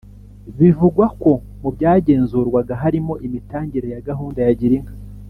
Bivugwa ko mu byagenzurwaga harimo imitangire ya gahunda ya Girinka